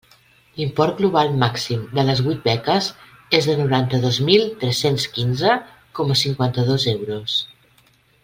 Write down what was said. L'import global màxim de les huit beques és de noranta-dos mil tres-cents quinze coma cinquanta-dos euros.